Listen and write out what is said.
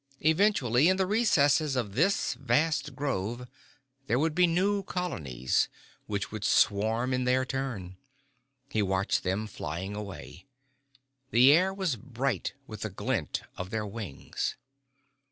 Eventually, in the recesses of this vast grove, there would be new colonies, which would swarm in their turn. He watched them flying away. The air was bright with the glint of their wings.